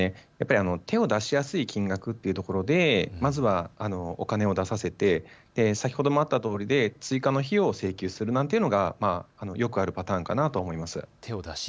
手を出しやすい金額というところでまずはお金を出させて先ほどもあったとおり追加の費用を請求するなんていうのがよくあるパターンかなと思います。